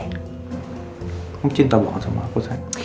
kamu cinta banget sama aku